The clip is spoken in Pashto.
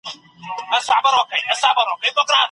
ثبتول او تایدول دواړه خورا مهم دي.